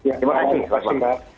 terima kasih pak